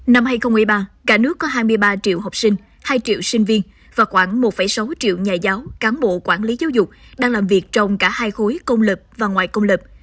năm hai nghìn một mươi ba cả nước có hai mươi ba triệu học sinh hai triệu sinh viên và khoảng một sáu triệu nhà giáo cán bộ quản lý giáo dục đang làm việc trong cả hai khối công lập và ngoài công lập